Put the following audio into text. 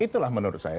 itulah menurut saya